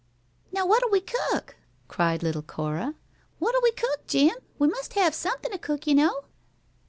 "Now what'll we cook?" cried little Cora. "What'll we cook, Jim? We must have something to cook, you know."